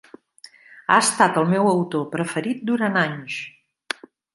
Ha estat el meu autor preferit durant anys!